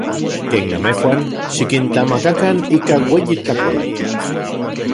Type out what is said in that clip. Ken namejuan, xikintlamakakan ika ueyi tlakauali.